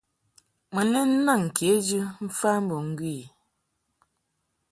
Mun lɛ naŋ kejɨ mf ambo ŋgwi i.